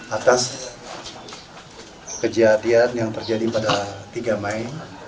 atas kejadian yang terjadi pada tiga mei